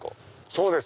そうです。